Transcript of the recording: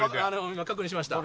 今確認しました。